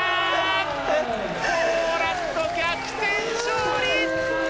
ポーランド、逆転勝利。